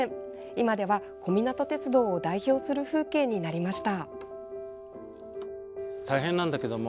今では小湊鐵道を代表する風景になりました。